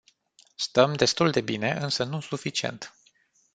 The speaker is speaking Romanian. Stăm destul de bine, însă nu suficient.